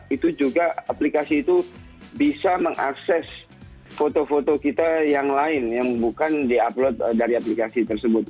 itu juga aplikasi itu bisa mengakses foto foto kita yang lain yang bukan di upload dari aplikasi tersebut